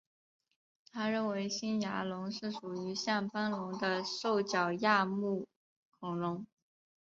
他认为新牙龙是属于像斑龙的兽脚亚目恐龙。